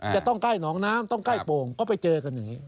ใกล้หนองน้ำต้องใกล้โป่งก็ไปเจอกันอย่างนี้